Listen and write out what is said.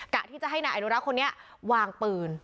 ะที่จะให้นายอนุรักษ์คนนี้วางปืน